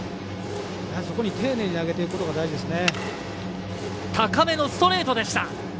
そこに丁寧に投げていくことが大事ですね。